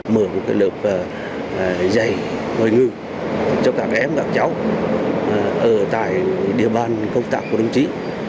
mở một cái lớp giày ngoại ngữ cho các em các cháu ở tại địa bàn công tác của đồng chí